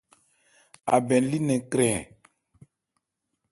Abɛn li nnɛn krɛn ɛ ?